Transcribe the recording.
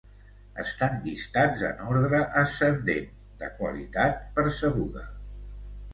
Estan llistats en ordre ascendent de "qualitat" percebuda.